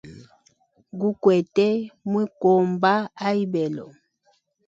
Gukwete mukomba a ibelo.